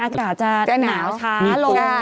อากาศจะหนาวช้าลง